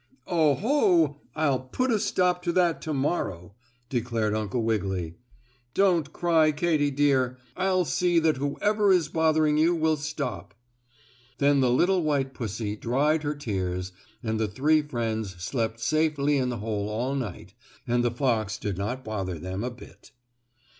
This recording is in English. "Oh, ho! I'll put a stop to that to morrow!" declared Uncle Wiggily. "Don't cry, Katy, dear. I'll see that whoever is bothering you will stop." Then the little white pussy dried her tears, and the three friends slept safely in the hole all night, and the fox did not bother them a bit.